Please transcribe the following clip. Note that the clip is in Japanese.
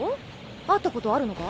会ったことあるのか？